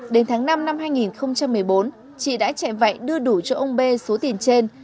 đến tháng năm năm hai nghìn một mươi bốn chị đã chạy vậy đưa đủ cho ông b số tiền trên